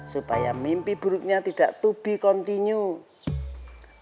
supaya mimpi buruknya tidak to be continue